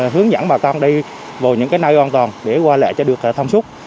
hướng dẫn bà con đi vào những nơi an toàn để qua lệ cho được thông suốt